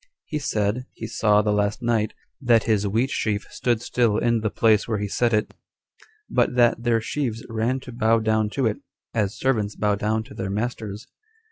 He said, he saw the last night, that his wheat sheaf stood still in the place where he set it, but that their sheaves ran to bow down to it, as servants bow down to their masters.